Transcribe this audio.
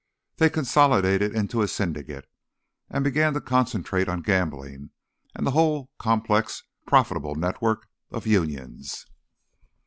They consolidated into a Syndicate, and began to concentrate on gambling and the whole, complex, profitable network of unions.